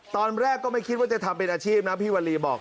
ตอนแรกก็ไม่คิดว่าจะทำเป็นอาชีพนะพี่วรีบอก